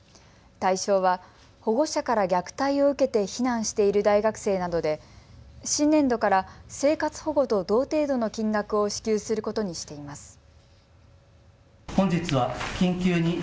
対象は保護者から虐待を受けて避難している大学生などで新年度から生活保護と同程度の金額を支給することにしています。